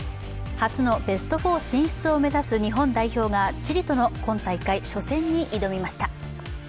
初のベスト４進出を目指す日本代表がチリとの今大会初戦に挑みました。